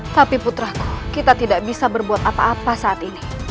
tapi putraku kita tidak bisa berbuat apa apa saat ini